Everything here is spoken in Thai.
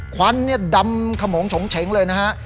ควันดำขมงฉงเช็งเลยนะฮะ